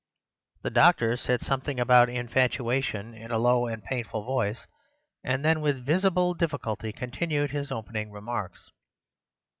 The doctor said something about infatuation in a low and painful voice, and then with visible difficulty continued his opening remarks.